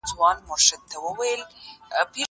زه اوږده وخت سبزیحات پاختم وم؟